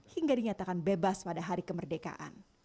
pada tahun dua ribu sebelas pada hari kemerdekaan